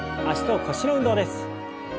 脚と腰の運動です。